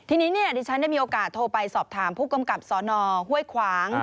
ทีนี้ดิฉันได้มีโอกาสโทรไปสอบถามผู้กำกับสนห้วยขวาง